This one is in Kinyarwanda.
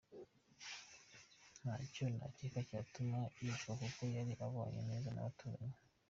Ntacyo nakeka cyatuma yicwa kuko yari abanye neza n’abaturanyi”.